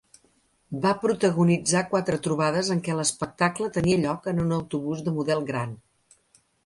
Va protagonitzar quatre trobades en què l'espectacle tenia lloc en un autobús de model gran.